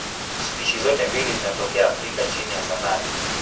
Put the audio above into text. Spishi zote mbili zinatokea Afrika chini ya Sahara.